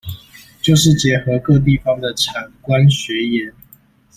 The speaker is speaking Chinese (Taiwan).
就是結合各地方的產官學研